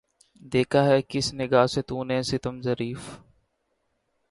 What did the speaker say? دیکھا ہے کس نگاہ سے تو نے ستم ظریف